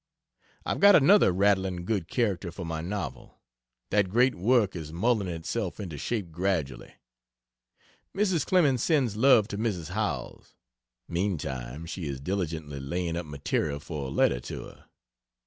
I've got another rattling good character for my novel! That great work is mulling itself into shape gradually. Mrs. Clemens sends love to Mrs. Howells meantime she is diligently laying up material for a letter to her.